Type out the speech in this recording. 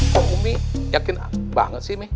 kok umi yakin banget sih nih